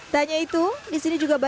tanya itu di sini juga berbeda